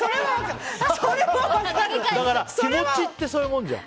気持ちってそういうものじゃん。